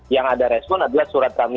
yang ada respon adalah surat kami